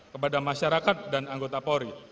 kepada masyarakat dan anggota polri